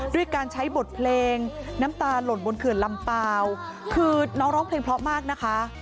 ด้วยการใช้บทเพลงน้ำตาหล่นบนเขื่อนลำเปล่าคือน้องร้องเพลงเพราะมากนะคะ